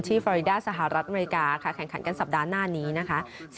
ที่แล้วสนามเติมกันอีก